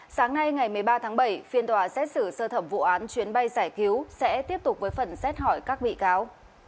sáng nay ngày một mươi ba tháng bảy phiên tòa xét xử sơ thẩm vụ án chuyến bay giải cứu sẽ tiếp tục với phần xét hỏi các bị cáo